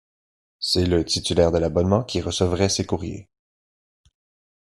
C'est le titulaire de l'abonnement qui recevrait ces courriers.